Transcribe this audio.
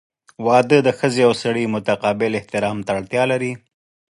• واده د ښځې او سړي متقابل احترام ته اړتیا لري.